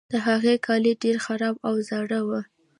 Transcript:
د هغه کالي ډیر خراب او زاړه وو.